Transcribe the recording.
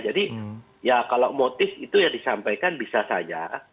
jadi ya kalau motif itu ya disampaikan bisa saja